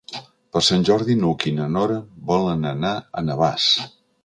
Per Sant Jordi n'Hug i na Nora volen anar a Navàs.